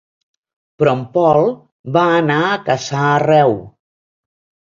Però en Paul va anar a caçar arreu.